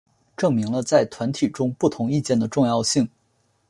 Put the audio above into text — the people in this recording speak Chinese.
证明了在团体中不同意见的重要性。